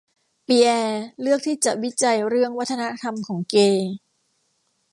ปีแอร์เลือกที่จะวิจัยเรื่องวัฒนธรรมของเกย์